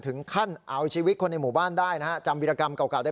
ถึงขั้นเอาชีวิตคนในหมู่บ้านได้นะฮะจำวิรกรรมเก่าได้